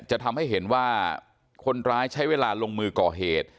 จะทำให้เห็นว่าคนร้ายใช้เวลาลงมือก่อเหตุ